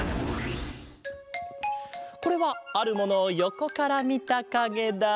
これはあるものをよこからみたかげだ。